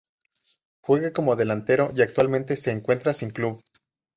Juega como delantero y actualmente se encuentra sin club.